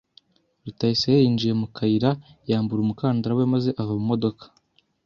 Rutayisire yinjiye mu kayira, yambura umukandara we maze ava mu modoka.